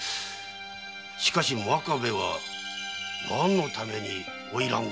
しかし真壁は何のために花魁殺しを？